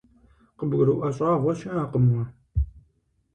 КъыбгурыӀуэ щӀагъуэ щыӀэкъым уэ.